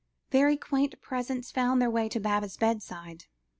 Very quaint presents found their way to Baba's bedside.